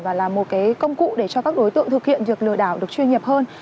và là một cái công cụ để cho các đối tượng thực hiện việc lừa đảo được chuyên nghiệp hơn